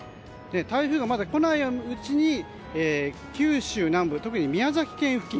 台風が来ないうちに九州南部特に宮崎県付近